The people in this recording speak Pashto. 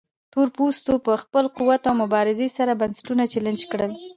تورپوستو په خپل قوت او مبارزې سره بنسټونه چلنج کړل.